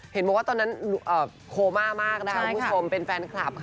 เห็นแล้วว่าตอนนั้นโโม่มากเป็นแฟนคลับ